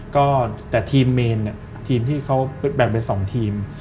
ก็แต่ทีมเมนทีมที่เขาแบ่งเป็น๒ทีม